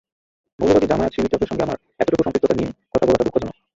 মৌলবাদী জামায়াত-শিবির চক্রের সঙ্গে আমার এতটুকু সম্পৃক্ততা নিয়ে কথা বলাটা দুঃখজনক।